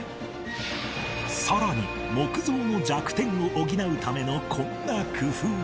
さらに木造の弱点を補うためのこんな工夫も